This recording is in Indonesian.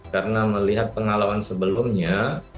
karena melihat pengalaman sebelumnya